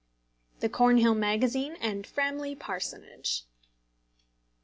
THE CORNHILL MAGAZINE AND FRAMLEY PARSONAGE.